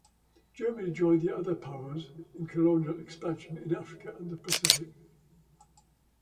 Germany joined the other powers in colonial expansion in Africa and the Pacific.